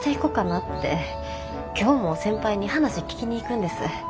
今日も先輩に話聞きに行くんです。